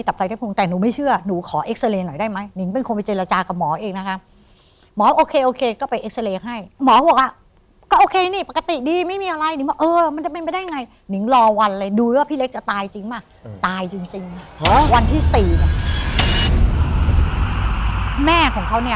ว่าพี่เล็กจะตายจริงมั้ยตายจริงวันที่สี่แม่ของเขาเนี่ย